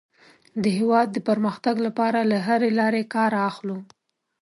د هېواد د پرمختګ لپاره له هرې لارې کار اخلو.